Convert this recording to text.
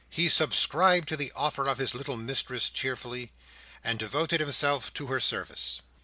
He subscribed to the offer of his little mistress cheerfully, and devoted himself to her service.